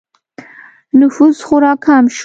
نفوس خورا کم شو